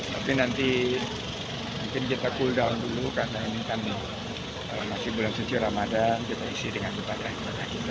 tapi nanti mungkin kita cool down dulu karena ini kan masih bulan suci ramadan kita isi dengan ibadah kita